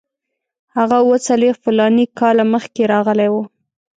هغه اوه څلوېښت فلاني کاله مخکې راغلی وو.